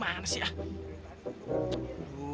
aku bisa berangkat